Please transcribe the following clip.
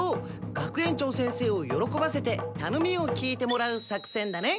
学園長先生をよろこばせてたのみを聞いてもらう作戦だね。